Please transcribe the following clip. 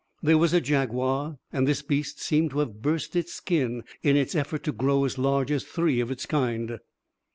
There was a jaguar, and this beast seemed to have burst its skin in its effort to grow as large as three of its kind.